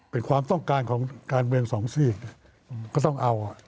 เป็นความต้องการของการเมืองสองซีกก็ต้องเอา